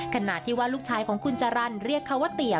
ขณะที่ว่าลูกชายของคุณจรรย์เรียกเขาว่าเตี๋ย